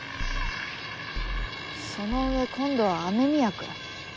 その上今度は雨宮くん？